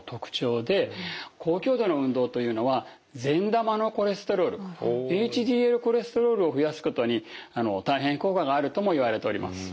高強度の運動というのは善玉のコレステロールＨＤＬコレステロールを増やすことに大変効果があるともいわれております。